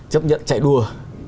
chấp nhận chạy đùa